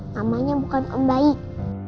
namanya bukan om baik